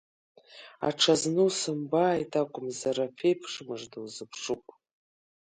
Аҽазны усымбааит акәымзар, ԥеиԥш мыжда узыԥшуп!